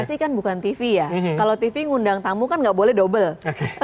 psi kan bukan tv ya kalau tv mengundang tamu kan enggak boleh double